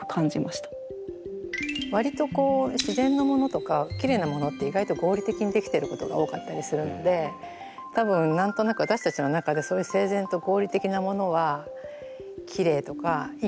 割と自然のものとかきれいなものって意外と合理的にできてることが多かったりするので多分何となく私たちの中でそういう整然とああ。